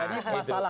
itu nggak mungkin lah